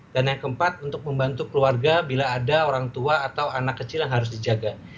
dan yang keempat untuk membantu keluarga bila ada orang tua atau anak kecil yang harus dijaga